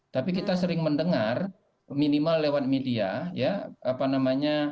tapi kita sering mendengar minimal lewat media ya apa namanya